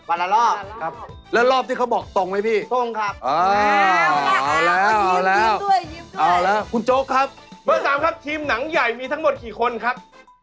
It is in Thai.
วันละรอบครับแล้วรอบที่เขาบอกตรงไหมพี่ตรงครับ